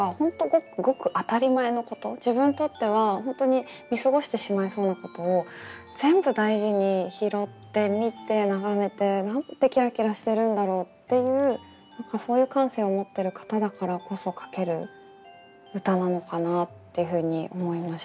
ごく当たり前のこと自分にとっては本当に見過ごしてしまいそうなことを全部大事に拾って見て眺めてなんてキラキラしてるんだろうっていうそういう感性を持ってる方だからこそ書ける歌なのかなっていうふうに思いました。